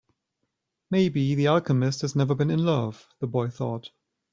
Maybe the alchemist has never been in love, the boy thought.